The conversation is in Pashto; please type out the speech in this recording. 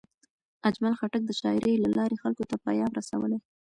اجمل خټک د شاعرۍ له لارې خلکو ته پیام رسولی.